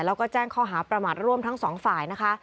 แล้วก็แจ้งข้อหาประมาทร่วมทั้งสองฝ่ายนะคะ